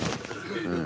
うん。